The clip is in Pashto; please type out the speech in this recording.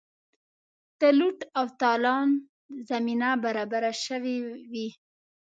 د لوټ او تالان زمینه برابره سوې وي.